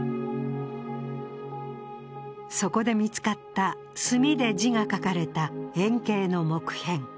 そこで見つかった墨で字が書かれた円形の木片。